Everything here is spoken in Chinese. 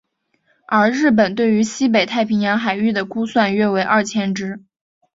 而日本对于西北太平洋海域的估算约为二千只。